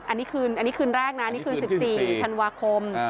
อันนี้คืนอันนี้คืนแรกนะนี่คือ๑๔ธันวาคม